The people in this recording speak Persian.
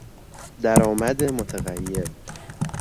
درآمد متغیر